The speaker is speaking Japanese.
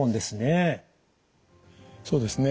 そうですね。